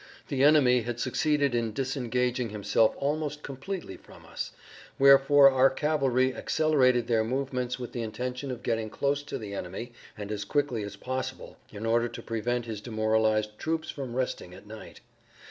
The enemy had succeeded in disengaging himself almost completely from us, wherefor our cavalry accelerated their movements with the intention of getting close to the enemy and as quickly as possible in order to prevent his demoralized troops from resting at night.